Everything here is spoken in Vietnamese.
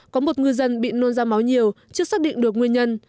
có một ngư dân bị nôn ra máu nhiều chưa xác định được nguyên nhân